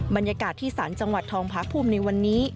บรรยากาศที่ศาลจังหวัดทองพาภูมิในวันนี้